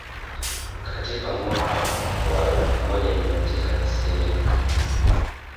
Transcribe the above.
katika mwaka wa elfu moja mia tisa tisini na tano